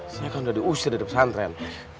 saya kan udah diusir dari persantren